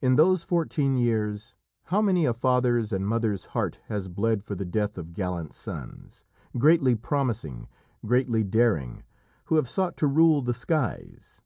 In those fourteen years how many a father's and mother's heart has bled for the death of gallant sons, greatly promising, greatly daring, who have sought to rule the skies?